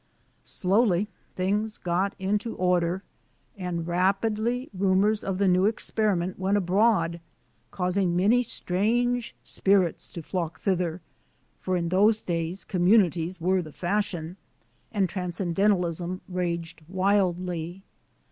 Slowly things got into order, and rapidly ru mors of the new experiment went abroad, causing many strange spirits to flock thither, for in those days communities were the fashion and tran scendentalism raged wildly.